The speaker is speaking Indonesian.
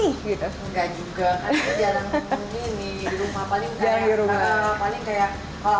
kita enggak juga kita jarang ini di rumah paling ganti rumah paling kayak kalau aku